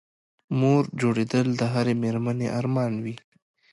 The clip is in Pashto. مور جوړېدل د هرې مېرمنې ارمان وي